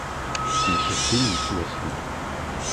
Nekk d tin yettwassnen.